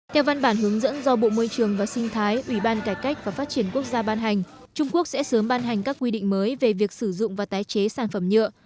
theo ngoại trưởng và sinh thái ủy ban cải cách và phát triển quốc gia ban hành trung quốc sẽ sớm ban hành các quy định mới về việc sử dụng và tái chế sản phẩm nhựa